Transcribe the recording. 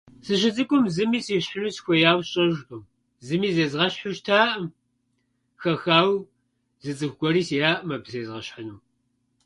Сыщыцӏыкӏум зыми сещхьыну сыхуеяуэ сщӏэжкъым. Зыми зезгъэщхьу щытаӏым, хэхауэ зы цӏыху гуэри сиӏаӏым абы зезгъэщхьыну.